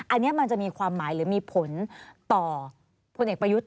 อันนี้มันจะมีความหมายหรือมีผลต่อพลเอกประยุทธ์